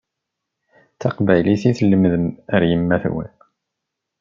D taqbaylit i tlemdem ar yemma-twen.